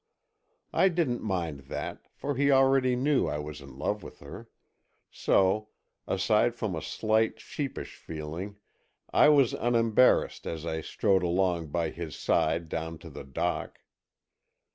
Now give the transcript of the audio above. I didn't mind that, for he already knew I was in love with her, so, aside from a slight sheepish feeling, I was unembarrassed as I strode along by his side down to the dock.